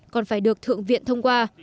còn phải được thượng viện thông qua